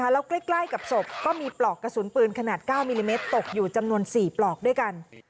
แล้วใกล้กับศพก็มีปลอกกระสุนปืนขนาด๙มิลลิเมตรตกอยู่จำนวน๔ปลอกด้วยกัน